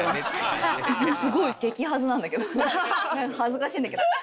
激恥なんだけど恥ずかしいんだけど。